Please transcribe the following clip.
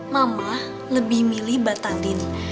mama lebih milih batang dini